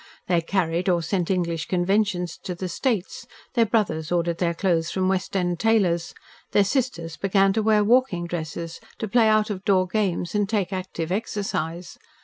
They carried or sent English conventions to the States, their brothers ordered their clothes from West End tailors, their sisters began to wear walking dresses, to play out of door games and take active exercise.